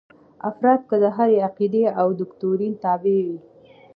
افراد که د هرې عقیدې او دوکتورین تابع وي.